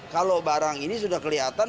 kalau barang ini sudah kelihatan